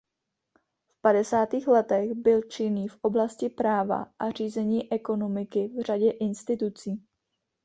V padesátých letech byl činný v oblasti práva a řízení ekonomiky v řadě institucí.